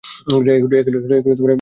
এগুলোর একটাও আমি করি নাই।